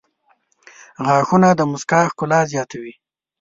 • غاښونه د مسکا ښکلا زیاتوي.